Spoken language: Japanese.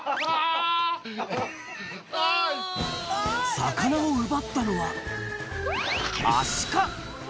魚を奪ったのは、アシカ。